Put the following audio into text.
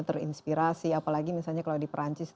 terinspirasi apalagi misalnya kalau di perancis